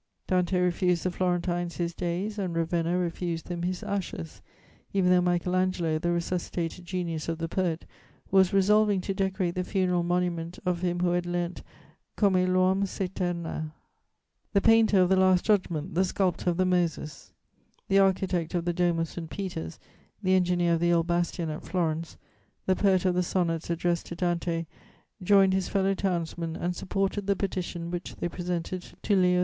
'" Dante refused the Florentines his days and Ravenna refused them his ashes, even though Michael Angelo, the resuscitated genius of the poet, was resolving to decorate the funeral monument of him who had learnt come l'uom s'eterna. "The painter of the Last Judgment, the sculptor of the Moses, the architect of the dome of St. Peter's, the engineer of the Old Bastion at Florence, the poet of the sonnets addressed to Dante joined his fellow townsmen and supported the petition which they presented to Leo X.